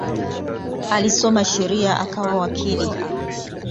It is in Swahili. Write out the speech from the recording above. Alisoma sheria akawa wakili.